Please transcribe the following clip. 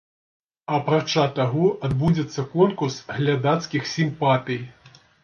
Апрача таго, адбудзецца конкурс глядацкіх сімпатый.